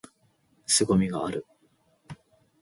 凄みがある！！！！